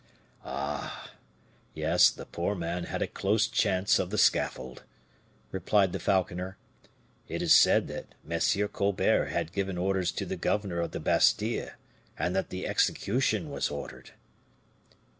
"Ah! yes; the poor man had a close chance of the scaffold," replied the falconer; "it is said that M. Colbert had given orders to the governor of the Bastile, and that the execution was ordered."